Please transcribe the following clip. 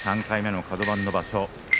３回目のカド番の場所